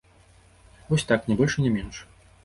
Вось так, не больш і не менш.